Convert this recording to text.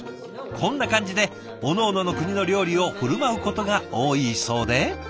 こんな感じでおのおのの国の料理を振る舞うことが多いそうで。